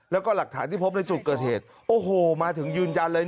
แล้วก็หลักฐานที่พบในจุดเกิดเหตุโอ้โหมาถึงยืนยันเลย